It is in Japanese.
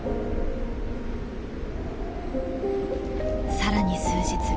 更に数日。